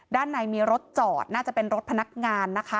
ด้านในมีรถจอดน่าจะเป็นรถพนักงานนะคะ